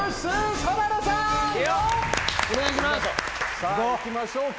さあいきましょうか。